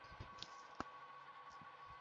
Siendo "King Of The Bop" su tema más conocido.